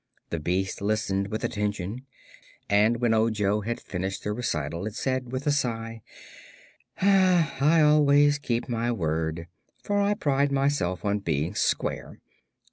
The beast listened with attention and when Ojo had finished the recital it said, with a sigh: "I always keep my word, for I pride myself on being square.